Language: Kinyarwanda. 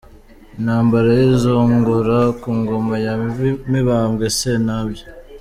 Intambara y’izungura ku Ngoma ya Mibambwe Sentabyo